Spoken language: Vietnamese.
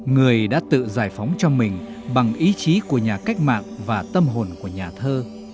người đã tự giải phóng cho mình bằng ý chí của nhà cách mạng và tâm hồn của nhà thơ